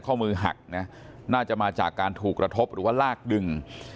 ข้อมือหักนะน่าจะมาจากการถูกกระทบหรือว่าลากดึง